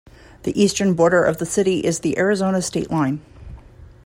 The eastern border of the city is the Arizona state line.